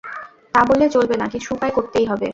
তা বললে চলবে না, কিছু উপায় করতেই হবে।